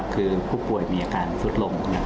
คือผู้ป่วยมีอาการสุดลง